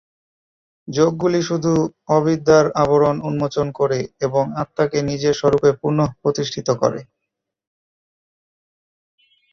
যোগগুলি শুধু অবিদ্যার আবরণ উন্মোচন করে এবং আত্মাকে নিজের স্বরূপে পুনঃপ্রতিষ্ঠিত করে।